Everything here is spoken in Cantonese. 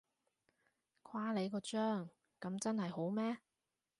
誇你個張，噉真係好咩？